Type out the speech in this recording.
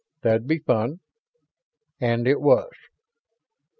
"That'd be fun." And it was.